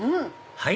はい？